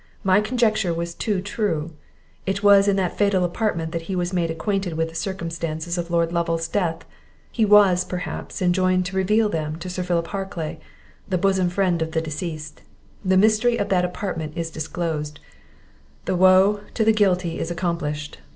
My conjecture was too true; It was in that fatal apartment that he was made acquainted with the circumstances of Lord Lovel's death; he was, perhaps, enjoined to reveal them to Sir Philip Harclay, the bosom friend of the deceased. The mystery of that apartment is disclosed, the woe to the guilty is accomplished!